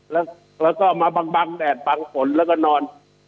แล้วก็มาบังแดดบังฝนแล้วก็นอน